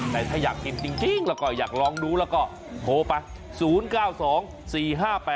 แต่ถ้าอยากกินจริงแล้วก็อยากลองดูแล้วก็โทรไป๐๙๒๔๕๘